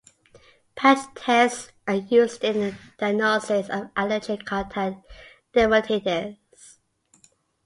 Patch tests are used in the diagnosis of allergic contact dermatitis.